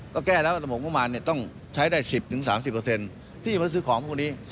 ก็แก้แล้วว่าโมงมารต้องใช้ได้สิบถึงสามสิบเปอร์เซ็นต์ที่มันซื้อของพวกนี้